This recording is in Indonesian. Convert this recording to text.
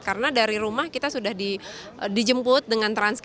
karena dari rumah kita sudah dijemput dengan transaksi